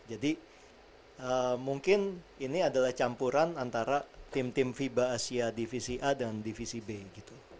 jadi mungkin ini adalah campuran antara tim tim viva asia divisi a dan divisi b gitu